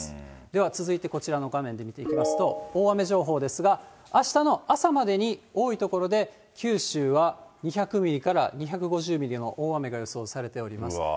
では、続いてこちらの画面で見ていきますと、大雨情報ですが、あしたの朝までに、多い所で九州は２００ミリから２５０ミリの大雨が予想されております。